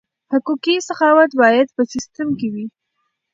حقوقي سخاوت باید په سیستم کې وي.